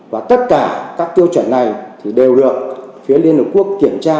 và tất cả các tiêu chuẩn này thì đều được phía liên hợp quốc kiểm tra